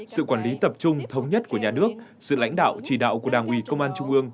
sự quản lý tập trung thống nhất của nhà nước sự lãnh đạo chỉ đạo của đảng ủy công an trung ương